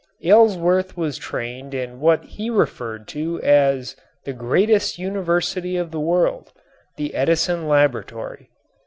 Aylesworth was trained in what he referred to as "the greatest university of the world, the Edison laboratory."